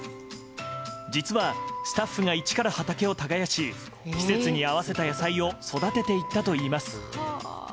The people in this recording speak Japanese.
実は、スタッフが一から畑を耕し季節に合わせた野菜を育てていったといいます。